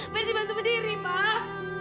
mesti bantu berdiri pak